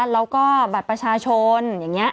แล้วก็บัตรประชาชนอย่างนี้